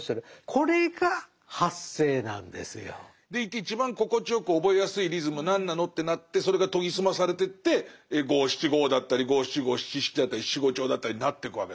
でいて一番心地よく覚えやすいリズムは何なのってなってそれが研ぎ澄まされてって五・七・五だったり五・七・五・七・七だったり七五調だったりになってくわけだから。